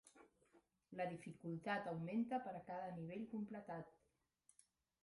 La dificultat augmenta per a cada nivell completat.